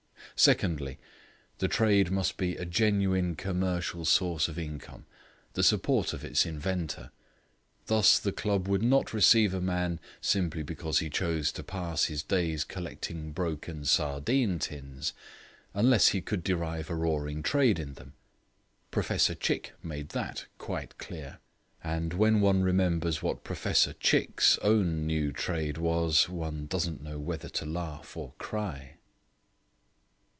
Secondly, the trade must be a genuine commercial source of income, the support of its inventor. Thus the Club would not receive a man simply because he chose to pass his days collecting broken sardine tins, unless he could drive a roaring trade in them. Professor Chick made that quite clear. And when one remembers what Professor Chick's own new trade was, one doesn't know whether to laugh or cry.